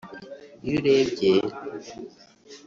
Iyo urebye